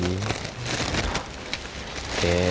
biar banyak yang mau jadi langganan